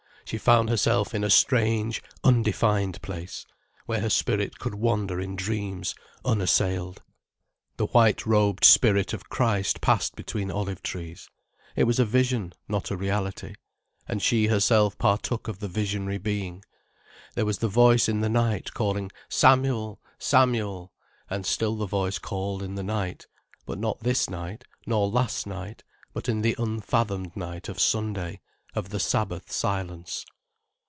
She found herself in a strange, undefined place, where her spirit could wander in dreams, unassailed. The white robed spirit of Christ passed between olive trees. It was a vision, not a reality. And she herself partook of the visionary being. There was the voice in the night calling, "Samuel, Samuel!" And still the voice called in the night. But not this night, nor last night, but in the unfathomed night of Sunday, of the Sabbath silence.